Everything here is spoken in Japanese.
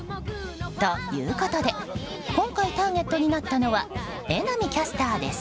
ということで今回ターゲットになったのは榎並キャスターです。